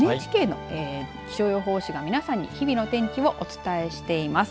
ＮＨＫの気象予報士が皆さんに日々の天気をお伝えしています。